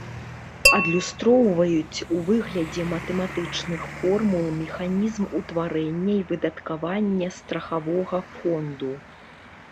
Адлюстроўваюць у выглядзе матэматычных формул механізм утварэння і выдаткавання страхавога фонду.